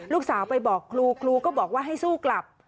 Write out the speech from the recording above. ลูกสาวไปบอกครูครูก็บอกว่าให้สู้กลับ